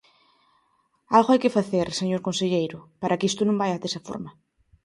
Algo hai que facer, señor conselleiro, para que isto non vaia desa forma.